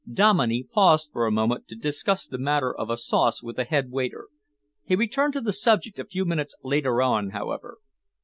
Dominey paused for a moment to discuss the matter of a sauce with the head waiter. He returned to the subject a few minutes later on, however.